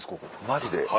マジで？